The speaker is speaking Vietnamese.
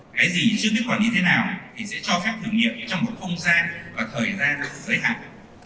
cái gì chứ biết quản lý thế nào thì sẽ cho phép thử nghiệm trong một không gian và thời gian giới hạn